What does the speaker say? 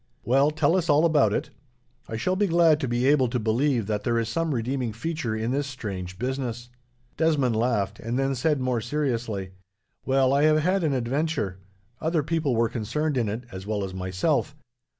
"Well, tell us all about it. I shall be glad to be able to believe that there is some redeeming feature in this strange business." Desmond laughed, and then said, more seriously, "Well, I have had an adventure. Other people were concerned in it, as well as myself.